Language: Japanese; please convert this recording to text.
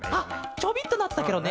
ちょびっとなってたケロね。